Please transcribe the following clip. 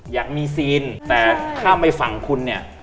อยากมีซีนแต่ข้ามไปฝั่งคุณเนี่ย